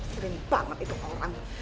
seribu banget itu orang